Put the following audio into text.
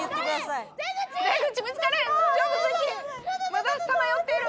まださまよっている。